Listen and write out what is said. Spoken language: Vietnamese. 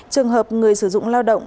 trường hợp người sử dụng lao động